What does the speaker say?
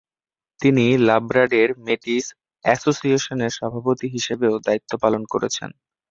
তিনি Labrador Metis অ্যাসোসিয়েশনের সভাপতি হিসেবেও দায়িত্ব পালন করেছেন।